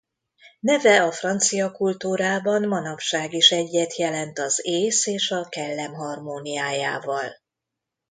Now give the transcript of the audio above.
Neve a francia kultúrában manapság is egyet jelent az ész és a kellem harmóniájával.